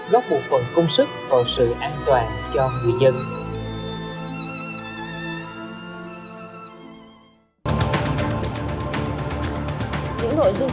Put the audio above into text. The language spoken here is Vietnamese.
góp một phần công sức vào sự an toàn cho người dân